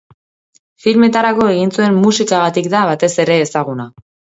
Filmetarako egin zuen musikagatik da batez ere ezaguna.